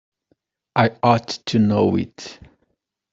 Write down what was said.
I ought to know it.